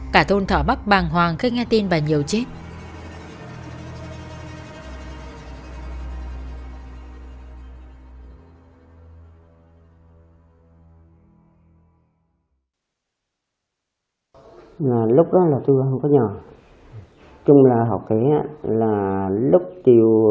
cả thôn thọ bắc bàng hoàng khi nghe tin bà nhiều chết